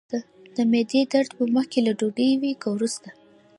د معدې درد مو مخکې له ډوډۍ وي که وروسته؟